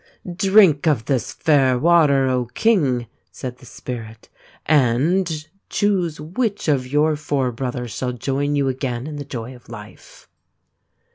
" Drink of this fair water, King !" said the Spirit, " and choose which of your four brothers shall join you again in the joy of life."